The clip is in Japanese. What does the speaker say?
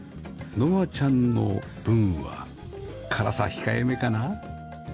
乃愛ちゃんの分は辛さ控えめかな？